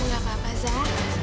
nggak apa apa zah